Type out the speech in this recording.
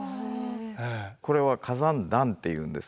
これは火山弾っていうんです。